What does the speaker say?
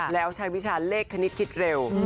แล้วใช้วิชาเลขคณิตคิดเร็ว